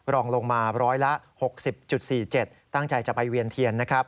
รองลงมาร้อยละ๖๐๔๗ตั้งใจจะไปเวียนเทียนนะครับ